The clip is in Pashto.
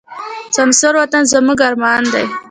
سمسور وطن زموږ ارمان دی.